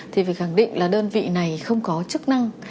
thì phải khẳng định là đơn vị này không có chức năng